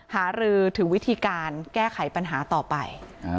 หารือถึงวิธีการแก้ไขปัญหาต่อไป